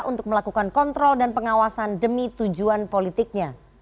untuk melakukan kontrol dan pengawasan demi tujuan politiknya